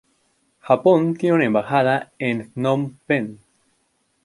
Japón tiene una embajada en Phnom Penh.